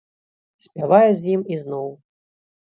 Спявае з ім ізноў.